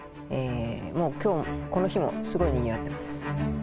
この日もすごいにぎわってます